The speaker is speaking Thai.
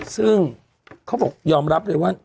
ซึ่งเขาบอกยอมรับเลยว่า